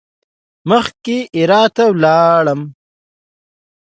مخکې هرات ته ولاړل.